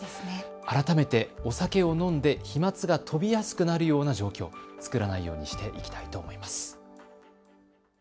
改めてお酒を飲んで飛まつが飛びやすくなるような状況、作らないようにしていきたいと思います。